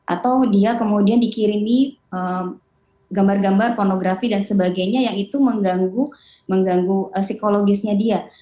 atau dia kemudian dikirimi gambar gambar pornografi dan sebagainya yang itu mengganggu psikologisnya dia